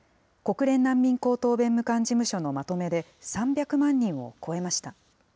国連難民高等弁務官事務所のまとめで、３００万人を超えました。